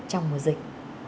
trong mùa dịch